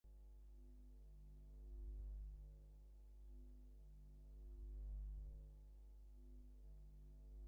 অনুষ্ঠানের দ্বিতীয় পর্বে সৌরভ শাখাওয়াত রচিত শিশুতোষ নাট্যানুষ্ঠান কাকতাড়ুয়া প্রদর্শিত হয়।